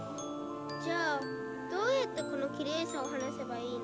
じゃあどうやってこのきれいさを話せばいいの？